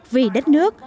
vì đất nước